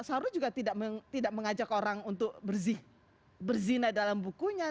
sahrul juga tidak mengajak orang untuk berzinai dalam bukunya